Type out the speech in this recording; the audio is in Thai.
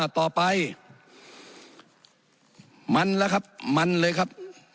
ต่อไปมันแล้วครับมันเลยครับ